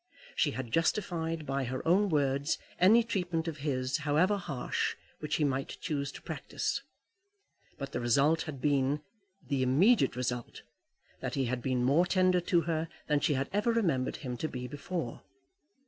She had justified by her own words any treatment of his, however harsh, which he might choose to practise. But the result had been the immediate result that he had been more tender to her than she had ever remembered him to be before.